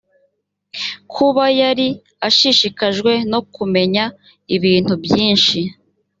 kuba yari ashishikajwe no kumenya ibintu byinshi